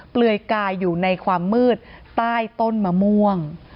เปลือยกายอยู่ในความมืดใต้ต้นมะม่วง